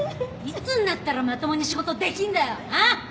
いつになったらまともに仕事できんだよ！